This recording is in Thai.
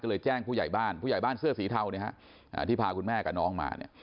ก็เลยแจ้งผู้ใหญ่บ้านเสื้อสีเทาที่พาคุณแม่กับน้องมา